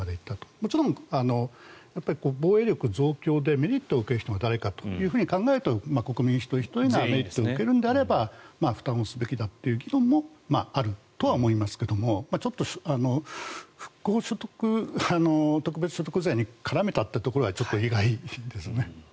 もちろん防衛力増強でメリットを受ける人が誰かと考えると国民一人ひとりがメリットを受けるのであれば負担をすべきだという議論もあるとは思いますけどちょっと復興特別所得税に絡めたというところはちょっと意外ですね。